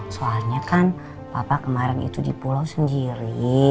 soalnya kan papa kemarin itu di pulau sendiri